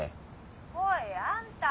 ほいあんた！